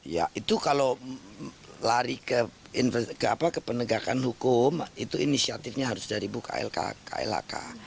ya itu kalau lari ke penegakan hukum itu inisiatifnya harus dari buka klhk